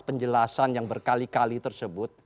penjelasan yang berkali kali tersebut